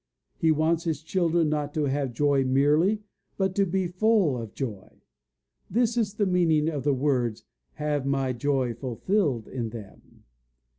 He wants his children not to have joy merely, but to be full of joy. This is the meaning of the words to "have my joy fulfilled in them."